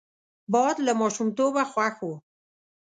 باد له ماشومتوبه خوښ وو